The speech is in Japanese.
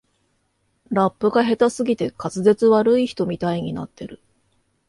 ラップが下手すぎて滑舌悪い人みたいになってる